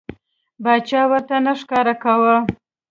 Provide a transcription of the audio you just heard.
باچا ورته نه ښکاره کاوه.